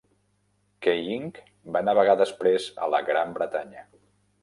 "Keying" va navegar després a la Gran Bretanya.